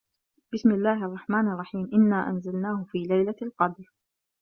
بِسمِ اللَّهِ الرَّحمنِ الرَّحيمِ إِنّا أَنزَلناهُ في لَيلَةِ القَدرِ